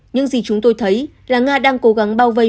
những gì chúng tôi thấy là nga đang cố gắng bao vây